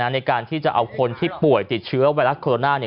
ในการที่จะเอาคนที่ป่วยติดเชื้อไวรัสโคโรนา